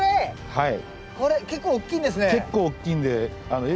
はい。